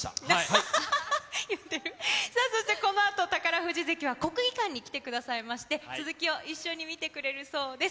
さあ、そしてこのあと、宝富士関は国技館に来てくださいまして、続きを一緒に見てくれるそうです。